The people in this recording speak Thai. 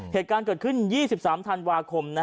เหตุการณ์เกิดขึ้น๒๓ธันวาคม